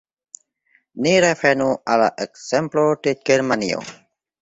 Ni revenu al la ekzemplo de Germanio.